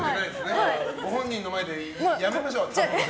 ご本人の前でやめましょう。